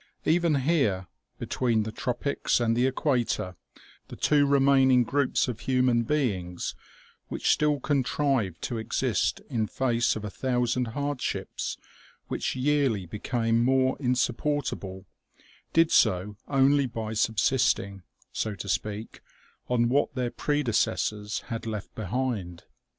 Even here, between the tropics and the equator, the two remaining groups of human beings which still contrived to exist in face of a thousand hardships which yearly be came more insupportable, did so only by subsisting, so to speak, on what their predecessors had left behind.